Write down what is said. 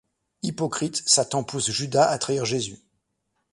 Hypocrite, Satan pousse Judas à trahir Jésus.